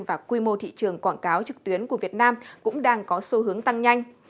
và quy mô thị trường quảng cáo trực tuyến của việt nam cũng đang có xu hướng tăng nhanh